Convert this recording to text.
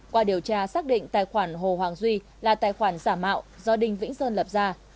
qua điều tra xác định tài khoản hồ hoàng duy là tài khoản giả mạo do đinh vĩnh sơn lập ra